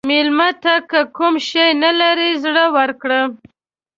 مېلمه ته که کوم شی نه لرې، زړه ورکړه.